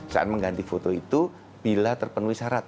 saat mengganti foto itu bila terpenuhi syarat